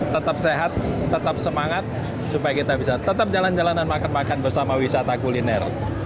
tetap sehat tetap semangat supaya kita bisa tetap jalan jalan dan makan makan bersama wisata kuliner